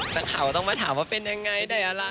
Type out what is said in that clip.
แต่ข่าวก็ต้องมาถามว่าเป็นยังไงได้อะไร